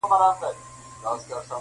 کلي کي سړه فضا ده ډېر,